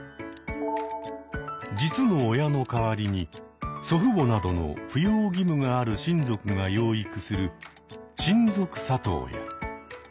実の親の代わりに祖父母などの扶養義務がある親族が養育する「親族里親」。